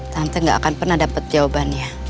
tante gak akan pernah dapat jawabannya